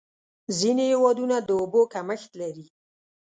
ځینې هېوادونه د اوبو کمښت لري.